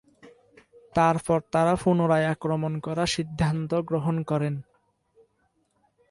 তারপর, তারা পুনরায় আক্রমণ করার সিদ্ধান্ত গ্রহণ করেন।